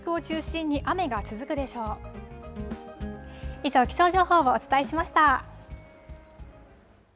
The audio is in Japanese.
以上、気象情報をお伝えしました。